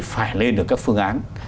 phải lên được các phương án